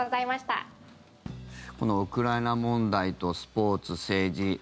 このウクライナ問題とスポーツ、政治。